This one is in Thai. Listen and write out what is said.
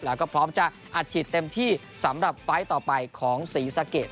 แล้วก็พร้อมจะอัดฉีดเต็มที่สำหรับไฟล์ต่อไปของศรีสะเกด